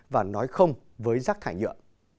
và nói không với rác thải nhựa